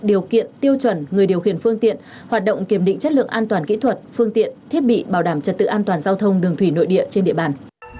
điều kiện tiêu chuẩn người điều khiển phương tiện hoạt động kiểm định chất lượng an toàn kỹ thuật phương tiện thiết bị bảo đảm trật tự an toàn giao thông đường thủy nội địa trên địa bàn